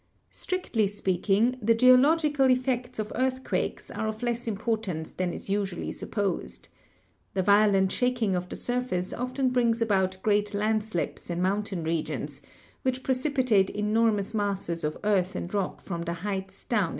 Strictly speaking, the geological effects of earthquakes are of less importance than is usually supposed. The vio lent shaking of the surface often brings about great* land slips in mountain regions, which precipitate enormous masses of earth and rock from the heights down into the Fig.